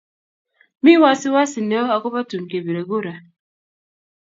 Mi wasiwasi neo akopo tun kepire kura